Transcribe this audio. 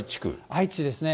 愛知ですね。